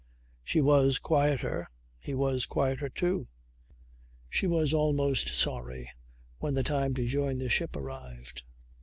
She was quieter. He was quieter too. She was almost sorry when the time to join the ship arrived.